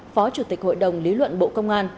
phó chủ tịch hội đồng lý luận bộ công an